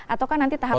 atau kan nanti tahapan